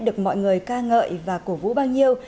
được mọi người ca ngợi và cổ vũ bao nhiêu